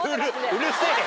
うるせぇ！